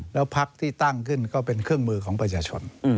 แล้วพักที่ตั้งขึ้นก็เป็นเครื่องมือของประชาชน